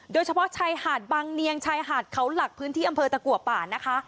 โดยเฉพาะชายหาดบางเนียงชายหาดเขาหลักพื้นที่อำเภอตะกัวป่านะคะ